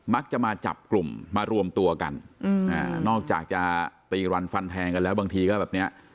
มาจับกลุ่มมารวมตัวกันนอกจากจะตีรันฟันแทงกันแล้วบางทีก็แบบเนี้ย